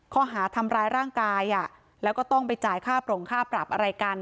ข้อหาทำร้ายร่างกายแล้วก็ต้องไปจ่ายค่าโปร่งค่าปรับอะไรกัน